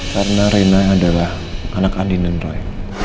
karena reina adalah anak andin dan roy